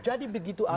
jadi begitu anis